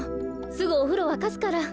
すぐおふろわかすから。